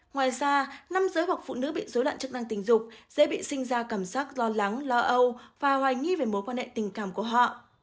ngoài ra năm giới hoặc phụ nữ bị dối loạn chức năng tình dục dễ bị sinh ra cảm giác lo lắng lo âu và hoài nghi về mối quan hệ tình cảm của họ